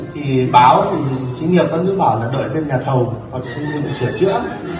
thì báo thì xí nghiệp vẫn cứ bảo là đợi bên nhà thầu hoặc xí nghiệp sửa chữa